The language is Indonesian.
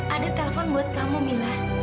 ada telepon buat kamu mila